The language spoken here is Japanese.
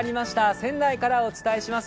仙台からお伝えします。